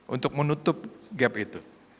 untuk menutup gap itu